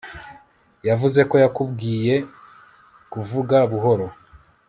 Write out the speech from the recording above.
Yavuze ko yakubwiye kuvuga buhoro